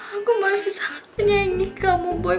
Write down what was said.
aku masih sangat menyayangi kamu boy